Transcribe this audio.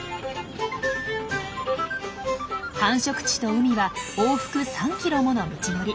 繁殖地と海は往復３ｋｍもの道のり。